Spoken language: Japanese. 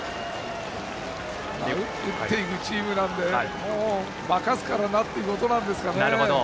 打っていくチームなので任すからなということなんですかね。